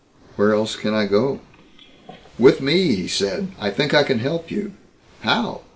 "Where else can I go?" "With me," he said. "I think I can help you." "How?